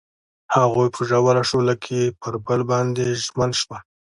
هغوی په ژور شعله کې پر بل باندې ژمن شول.